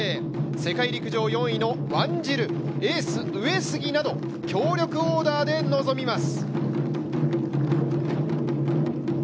世界陸上４位のワンジル、エース・上杉など強力オーダーで臨みます。